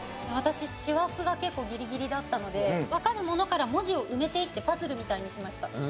私「しわす」が結構ギリギリだったのでわかるものから文字を埋めていってパズルみたいにしました。